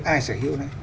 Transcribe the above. ai sở hữu đấy